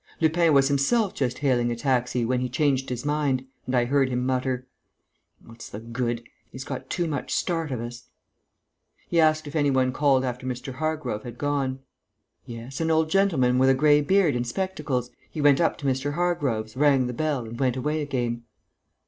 Lupin was himself just hailing a taxi, when he changed his mind; and I heard him mutter: "What's the good? He's got too much start of us...." He asked if any one called after Mr. Hargrove had gone. "Yes, an old gentleman with a grey beard and spectacles. He went up to Mr. Hargrove's, rang the bell, and went away again."